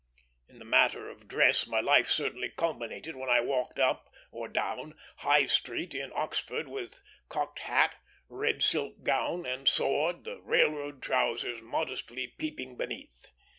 In the matter of dress my life certainly culminated when I walked up or down High Street in Oxford with cocked hat, red silk gown, and sword, the railroad trousers modestly peeping beneath.